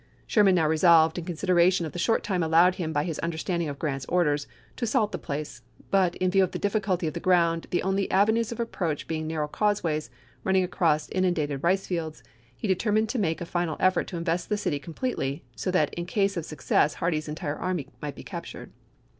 Sherman now resolved, in consideration of the short time allowed him by his understanding of Grant's orders, to assault the place ; but, in view of the difficulty of the ground, the only avenues of approach being narrow causeways, running across inundated rice fields, he determined to make a final effort to invest the city completely, so that in case of success Har dee's entire army might be captured.